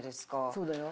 そうだよ。